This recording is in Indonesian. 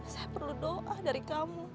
saya perlu doa dari kamu